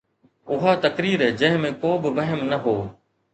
اها تقرير جنهن ۾ ڪو به وهم نه هو.